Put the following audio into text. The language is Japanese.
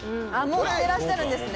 もう着てらっしゃるんですね